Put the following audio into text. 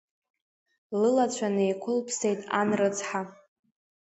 Лылацәа неиқәылԥсеит ан рыцҳа.